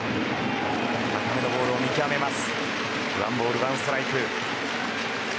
高めのボールを見極めます。